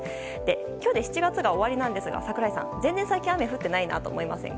今日で７月が終わりなんですが櫻井さん、全然最近雨が降ってないと思いませんか。